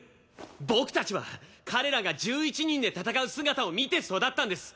僕たちは彼らが１１人で戦う姿を見て育ったんです！